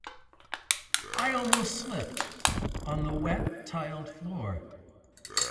I almost slipped on the wet tiled floor.